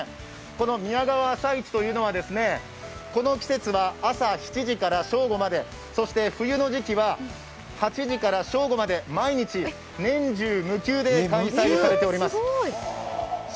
この宮川朝市というのは、この季節は朝７時から正午までそして冬の時期は８時から正午まで毎日、年中無休で開催されております。